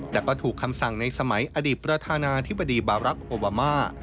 แต่ก็ถูกคำสั่งในสมัยอดีตประธานาธิบดีบารักษ์โอบามา